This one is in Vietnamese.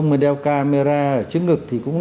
mà đeo camera ở trước ngực thì cũng